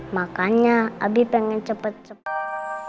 makanya abi pengen cepet cepet